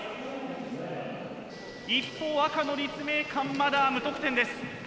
一方赤の立命館まだ無得点です。